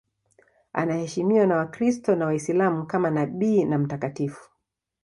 Anaheshimiwa na Wakristo na Waislamu kama nabii na mtakatifu.